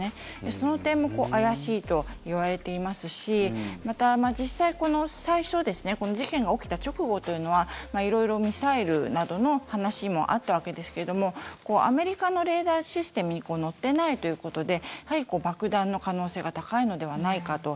その点も怪しいといわれてますしまた、実際最初、この事件が起きた直後というのは色々、ミサイルなどの話もあったわけですけどもアメリカのレーダーシステムに載っていないということでやはり爆弾の可能性が高いのではないかと。